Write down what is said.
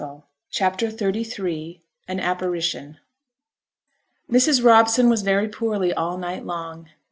CHAPTER XXXIII AN APPARITION Mrs. Robson was very poorly all night long.